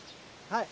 はい。